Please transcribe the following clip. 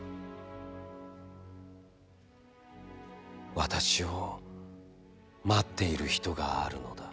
私を、待っている人があるのだ。